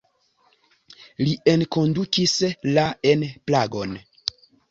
Li enkondukis la en Pragon.